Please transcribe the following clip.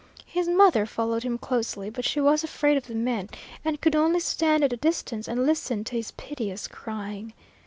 His mother followed him closely, but she was afraid of the men, and could only stand at a distance and listen to his piteous crying.